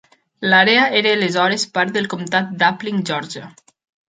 L'àrea era aleshores part del comtat d'Appling, Geòrgia.